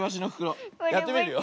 やってみるよ。